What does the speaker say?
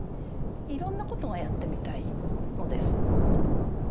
いろんなことがやってみたいのです。